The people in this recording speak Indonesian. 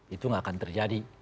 itu tidak akan terjadi